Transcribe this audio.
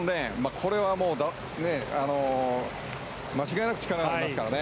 これは間違いなく力がありますからね。